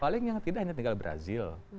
paling yang tidak hanya tinggal brazil